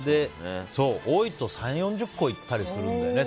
多いと３０４０個行ったりするんだよね